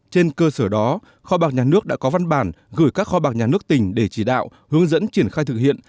trên cơ sở đó kho bạc nhà nước đã có văn bản gửi các kho bạc nhà nước tỉnh để chỉ đạo hướng dẫn triển khai thực hiện